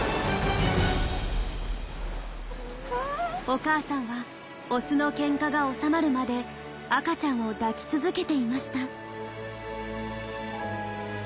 お母さんはオスのケンカが収まるまで赤ちゃんを抱き続けていました。